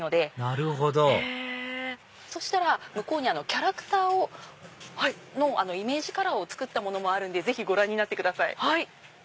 なるほど向こうにキャラクターのイメージカラーを作ったものもあるんでぜひご覧になってください。